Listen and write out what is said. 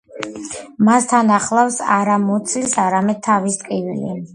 მას თან ახლავს არა მუცლის, არამედ თავის ტკივილი.